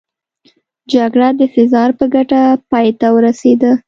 جګړه د سزار په ګټه پای ته ورسېده